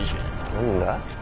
何だ？